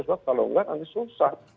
sebab kalau enggak nanti susah